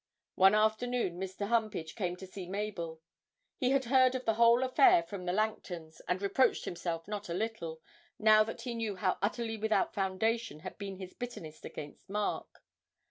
One afternoon Mr. Humpage came to see Mabel: he had heard of the whole affair from the Langtons, and reproached himself not a little, now that he knew how utterly without foundation had been his bitterness against Mark.